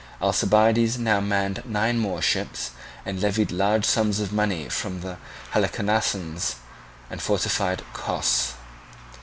Alcibiades now manned nine more ships, and levied large sums of money from the Halicarnassians, and fortified Cos.